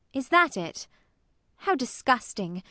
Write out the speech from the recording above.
Is that it? How disgusting!